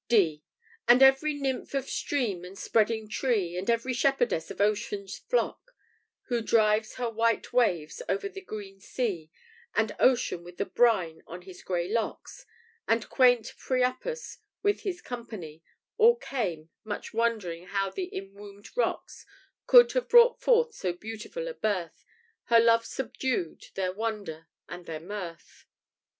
] (D) "And every nymph of stream and spreading tree, And every shepherdess of Ocean's flocks, Who drives her white waves over the green sea; And Ocean, with the brine on his gray locks, And quaint Priapus with his company, All came, much wondering how the enwombèd rocks Could have brought forth so beautiful a birth; Her love subdued their wonder and their mirth."